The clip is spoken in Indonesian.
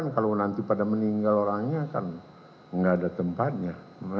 kalau nanti pada meninggal orangnya kan nggak ada tempatnya